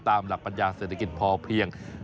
ตามหลักปัญญาเศรษฐกิจพอเพียง